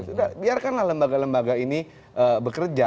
sudah biarkanlah lembaga lembaga ini bekerja